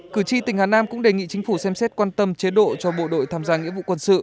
cử tri tỉnh hà nam cũng đề nghị chính phủ xem xét quan tâm chế độ cho bộ đội tham gia nghĩa vụ quân sự